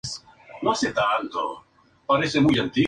Se apasionó por James Dean y el sueño americano.